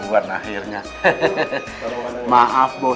saya kutip adalah